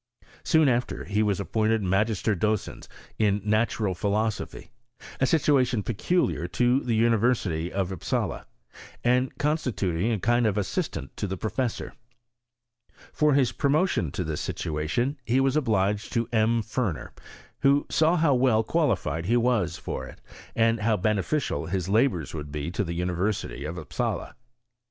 Soon after, he was appointed magister docens in natural philosopliy, a situation peculiar to the University rf Upsala, and constituting a kind of assistant to the professor. For his promotion to this sitoation be was obliged to M. Ferner, who saw how well qua lified he was for it, and how beneficial his labouil would be to the University of Upsala.